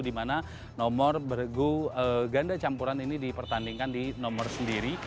di mana nomor bergu ganda campuran ini dipertandingkan di nomor sendiri